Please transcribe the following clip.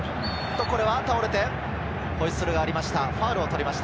これは倒れて、ホイッスルがありました。